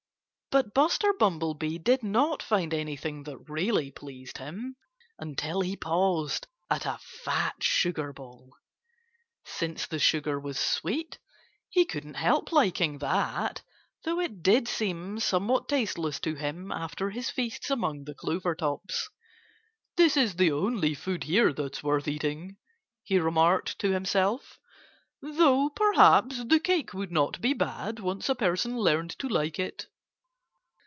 But Buster Bumblebee did not find anything that really pleased him until he paused at a fat sugar bowl. Since the sugar was sweet he couldn't help liking that, though it did seem somewhat tasteless to him after his feasts among the clover tops. "This is the only food here that's worth eating," he remarked to himself, "though perhaps the cake would not be bad, once a person learned to like it."